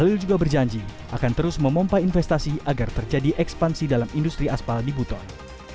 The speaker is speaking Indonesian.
lalu juga berjanji akan terus memompah investasi agar terjadi ekspansi dalam industri aspal di buton